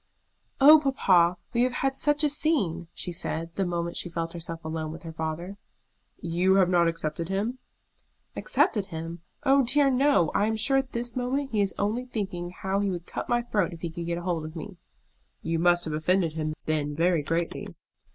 "Oh, papa, we have had such a scene!" she said, the moment she felt herself alone with her father. "You have not accepted him?" "Accepted him! Oh dear no! I am sure at this moment he is only thinking how he would cut my throat if he could get hold of me." "You must have offended him then very greatly."